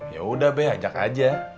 yaudah be ajak aja